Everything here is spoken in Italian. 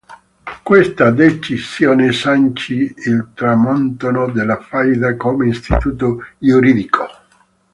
Questa decisione sancì il tramonto della faida come istituto giuridico.